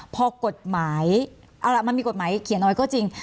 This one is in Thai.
พอกฎหมายเอาล่ะมันมีกฎหมายเขียนเอาไว้ก็จริง